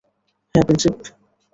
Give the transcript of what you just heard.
হ্যাঁ, প্রিন্সিপ!